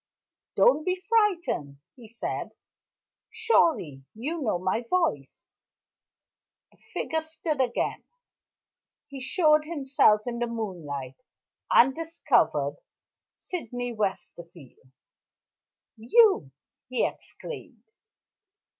"Don't be frightened," he said. "Surely you know my voice?" The figure stood still again. He showed himself in the moonlight, and discovered Sydney Westerfield. "You!" he exclaimed.